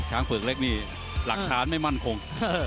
ช้างเผือกเล็กนี่หลักท้านไม่มั่นคง